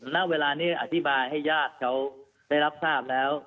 ณเวลานี้อธิบายให้ญาติเขาได้รับทราบแล้ว